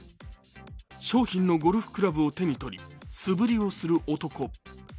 商品のゴルフクラブを手に取り素振りをする男。